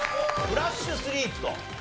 フラッシュスリープと。